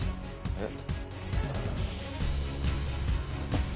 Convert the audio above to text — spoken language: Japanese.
えっ？